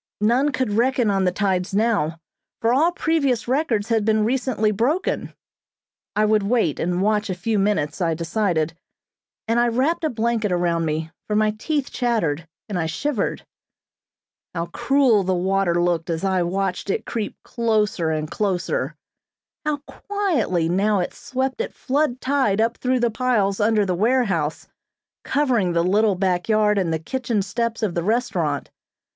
None could reckon on the tides now, for all previous records had been recently broken. I would wait and watch a few minutes, I decided, and I wrapped a blanket around me, for my teeth chattered, and I shivered. How cruel the water looked as I watched it creep closer and closer. How quietly now it swept at flood tide up through the piles under the warehouse, covering the little back yard and the kitchen steps of the restaurant.